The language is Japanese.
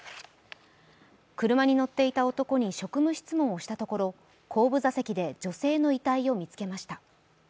車に乗っていた男に職務質問をしたところ後部座席で女性の遺体を見つけました。